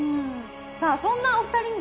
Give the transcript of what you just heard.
さあそんなお二人にですね